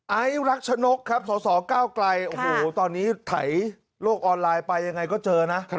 ไอ้รักชนกครับสสเก้าไกลโอ้โหตอนนี้ไถโลกออนไลน์ไปยังไงก็เจอนะ